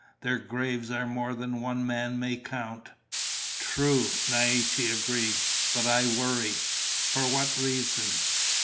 Their graves are more than one man may count." "True," Naiche agreed. "But I worry." "For what reason?"